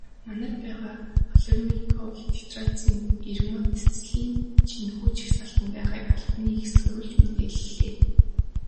Манайд байгаа хлорамфеникол, тетрациклин, эритромицин ч энэхүү жагсаалтад байгааг албаны эх сурвалж мэдээллээ.